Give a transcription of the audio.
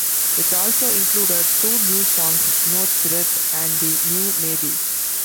It also included two new songs, "No Threat" and "The New Maybe".